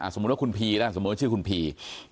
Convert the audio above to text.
สมมุติว่าคุณพีนะสมมุติชื่อคุณพี